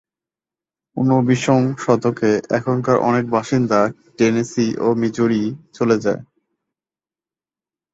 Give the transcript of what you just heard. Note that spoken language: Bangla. ঊনবিংশ শতকে এখানকার অনেক বাসিন্দা টেনেসি ও মিজুরি চলে যান।